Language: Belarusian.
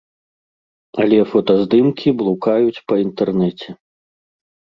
Але фотаздымкі блукаюць па інтэрнэце.